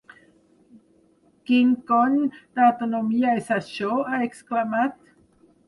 Quin cony d’autonomia és això?, ha exclamat.